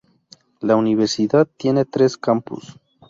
La universidad tiene tres campus.